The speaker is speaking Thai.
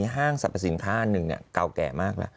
ห้างสรรพสินค้าหนึ่งเนี่ยเก่าแก่มาก